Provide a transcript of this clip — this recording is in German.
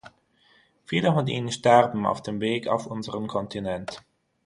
Viele von ihnen sterben auf dem Weg auf unseren Kontinent.